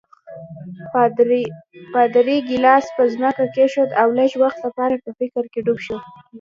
پادري ګیلاس پر ځمکه کېښود او لږ وخت لپاره په فکر کې ډوب شو.